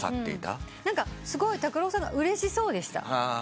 何かすごい拓郎さんがうれしそうでした。